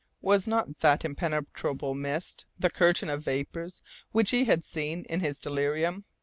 Was not that impenetrable mist the curtain of vapours which he had seen in his delirium?